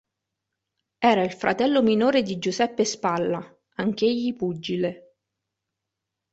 Era il fratello minore di Giuseppe Spalla, anch'egli pugile.